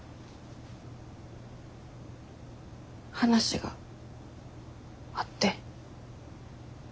話があって。